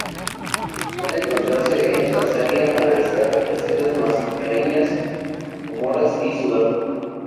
Puede encontrarse en Tanzania, Madagascar, las islas Mascareñas, Comoras y Sudáfrica.